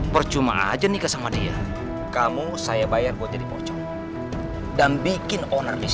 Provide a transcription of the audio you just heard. terus masalah bayarannya mas